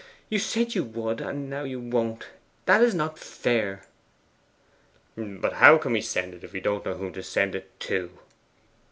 'You said you would, and now you won't. That is not fair!' 'But how can we send it if we don't know whom to send it to?